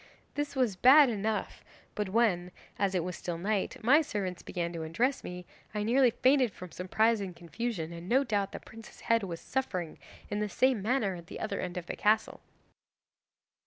This was bad enough, but when as it was still night my servants began to undress me, I nearly fainted from surprise and confusion, and no doubt the prince's head was suffering in the same manner at the other end of the castle!